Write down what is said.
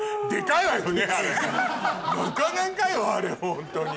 なかなかよあれホントに。